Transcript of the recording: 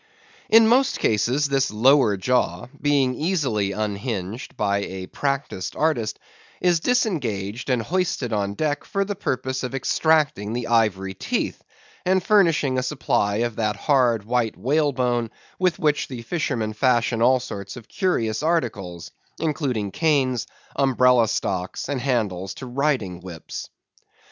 In most cases this lower jaw—being easily unhinged by a practised artist—is disengaged and hoisted on deck for the purpose of extracting the ivory teeth, and furnishing a supply of that hard white whalebone with which the fishermen fashion all sorts of curious articles, including canes, umbrella stocks, and handles to riding whips.